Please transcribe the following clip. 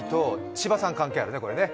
千葉さん、関係あるね、これね。